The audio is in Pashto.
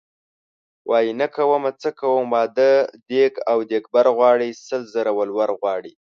وايي نه کومه څه کوم واده دیګ او دیګبر غواړي سل زره ولور غواړي .